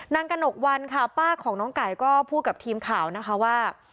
กระหนกวันค่ะป้าของน้องไก่ก็พูดกับทีมข่าวนะคะว่า